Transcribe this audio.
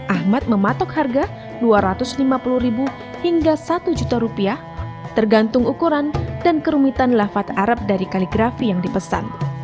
ahmad mematok harga rp dua ratus lima puluh ribu hingga satu juta rupiah tergantung ukuran dan kerumitan lafat arab dari kaligrafi yang dipesan